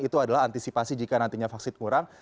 itu adalah antisipasi jika nantinya vaksin kurang